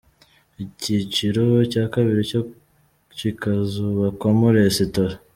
Icyiciro cya kabiri cyo kikazubakwamo resitora.